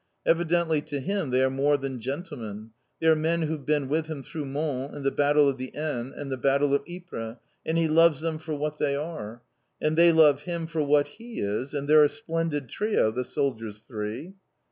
Evidently to him they are more than gentlemen. They are men who've been with him through Mons, and the Battle of the Aisne, and the Battle of Ypres, and he loves them for what they are! And they love him for what he is, and they're a splendid trio, the soldiers three.